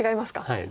はい。